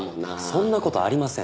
そんな事ありません。